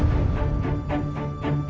sian baikku sama aku